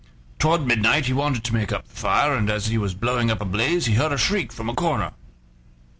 Toward midnight he wanted to make up the fire, and as he was blowing up a blaze he heard a shriek from a corner.